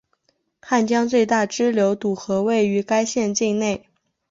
汉江最大支流堵河位于该县境内。